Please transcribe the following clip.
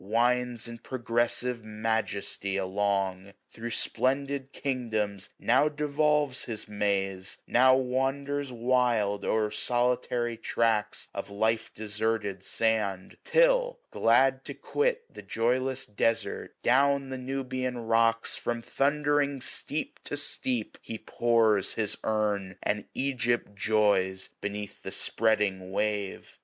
Winds in progressive majesty along: 815 Thro' spltodid kingdoms now devolves his maze; Now wanders wild o'er solitary tracts Of life deserted sand ; till, glad to quit The joyless desart, down the Nubian rocks From thundering steep to steep, he pours his urn, Sao And Egypt joys beneath the spreading wave.